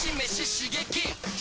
刺激！